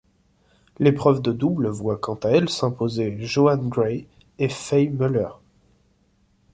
L'épreuve de double voit quant à elle s'imposer Joan Gray et Fay Muller.